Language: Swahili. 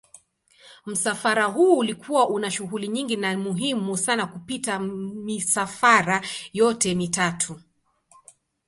Msafara huu ulikuwa una shughuli nyingi na muhimu sana kupita misafara yote mitatu.